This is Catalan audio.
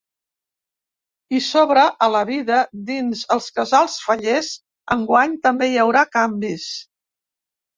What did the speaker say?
I sobre a la vida dins els casals fallers, enguany també hi haurà canvis.